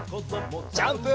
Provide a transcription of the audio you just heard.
ジャンプ！